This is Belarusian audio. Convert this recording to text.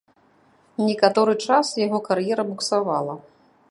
Некаторы час яго кар'ера буксавала.